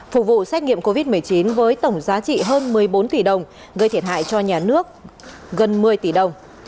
phục vụ xét nghiệm covid một mươi chín với tổng giá trị hơn một mươi bốn tỷ đồng gây thiệt hại cho nhà nước gần một mươi tỷ đồng